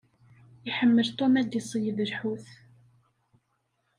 Iḥemmel Tom ad d-iṣeyyed lḥut.